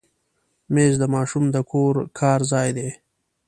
مېز د ماشوم د کور کار ځای دی.